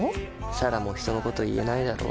彩良も人のこと言えないだろ。